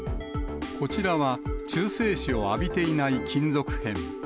こちらは、中性子を浴びていない金属片。